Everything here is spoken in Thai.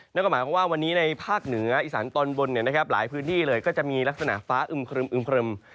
นักก็หมายความว่าวันนี้ในภาคเหนืออิสันตอนบนเนี่ยนะครับหลายพื้นที่เลยก็จะมีลักษณะฟ้าอึมเคลิม